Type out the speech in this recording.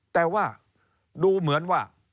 แต่ว่าดูเหมือนว่า